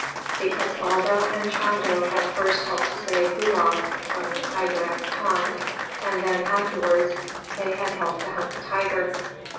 Because Baldo and Chando had first helped to save Gulab from the tiger at the pond, and then afterwards they had helped to hunt the tiger.